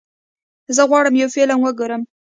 زه غواړم یو فلم وګورم.